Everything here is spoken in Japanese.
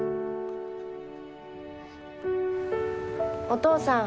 お父さん。